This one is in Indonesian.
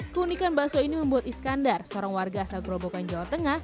keunikan bakso ini membuat iskandar seorang warga asal gerobokan jawa tengah